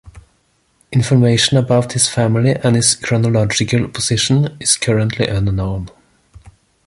Information about his family and his chronological position is currently unknown.